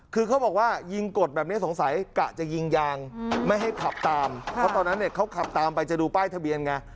คือเขาบอกว่ายิงกดแบบนี้สงสัยกะจะยิงยางไม่ให้ขับตามเพราะตอนนั้นเนี่ยเขาขับตามไปจะดูป้ายทะเบียนไง